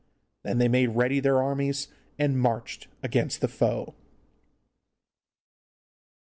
Then they made ready their armies, and marched against the foe.